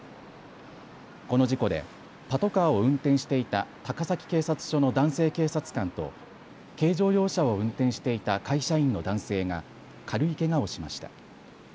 この事故でパトカーを運転していた高崎警察署の男性警察官と軽乗用車を運転していた会社員の男性が軽いけがをしました。